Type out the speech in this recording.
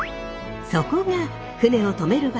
そこが船を泊める場所